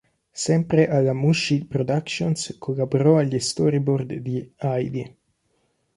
Sempre alla Mushi Productions collaborò agli storyboard di "Heidi".